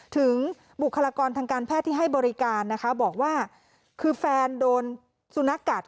บุคลากรทางการแพทย์ที่ให้บริการนะคะบอกว่าคือแฟนโดนสุนัขกัด